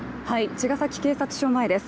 茅ヶ崎警察署前です。